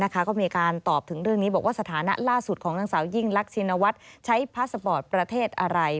ก็มีการตอบถึงเรื่องนี้บอกว่าสถานะล่าสุดของนางสาวยิ่งรักชินวัฒน์ใช้พาสปอร์ตประเทศอะไร